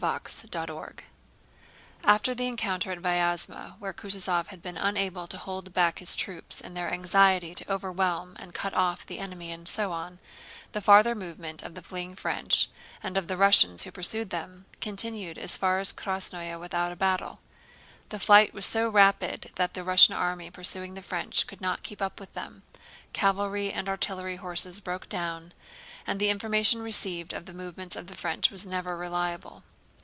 CHAPTER IV After the encounter at Vyázma, where Kutúzov had been unable to hold back his troops in their anxiety to overwhelm and cut off the enemy and so on, the farther movement of the fleeing French, and of the Russians who pursued them, continued as far as Krásnoe without a battle. The flight was so rapid that the Russian army pursuing the French could not keep up with them; cavalry and artillery horses broke down, and the information received of the movements of the French was never reliable.